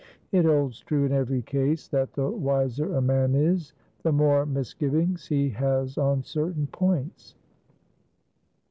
It holds true, in every case, that the wiser a man is, the more misgivings he has on certain points.